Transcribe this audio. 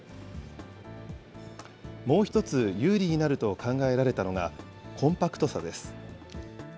もう１つ有利になると考えられたのが、コンパクトさです。